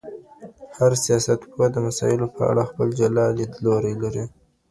هر سياستپوه د مسايلو په اړه خپل جلا ليدلوری لري.